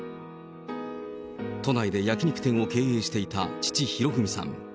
都内で焼き肉店を経営していた父、博文さん。